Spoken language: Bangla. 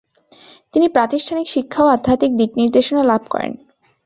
তিনি প্রাতিষ্ঠানিক শিক্ষা ও আধ্যাত্মিক দিকনির্দেশনা লাভ করেন।